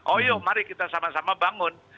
oh ya mari kita sama sama bangun